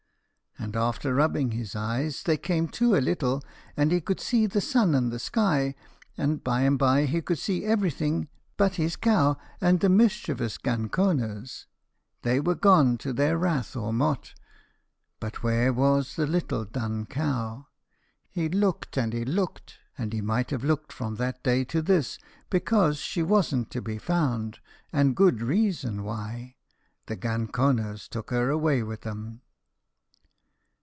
and afther rubbing his eyes they came to a little, and he could see the sun and the sky, and, by and by, he could see everything but his cow and the mischievous ganconers. They were gone to their rath or mote; but where was the little dun cow? He looked, and he looked, and he might have looked from that day to this, bekase she wasn't to be found, and good reason why the ganconers took her away with 'em.